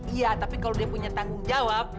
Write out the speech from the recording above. iya tapi kalau dia punya tanggung jawab